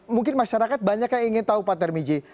mungkin masyarakat banyak yang ingin tahu pak sutar miji